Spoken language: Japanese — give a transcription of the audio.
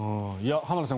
浜田さん